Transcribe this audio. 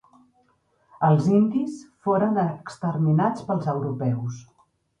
Els indis foren exterminats pels europeus.